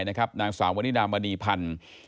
นางสาววันนี้นามวรรณีพันธุ์